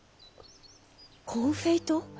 コンフェイト？